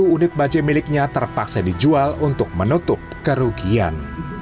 dua puluh satu unit bajaj miliknya terpaksa dijual untuk menutup kerugian